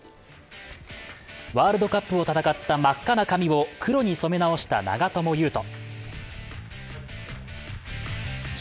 ワールドカップを戦った真っ赤な髪を黒に染め直した長友佑都。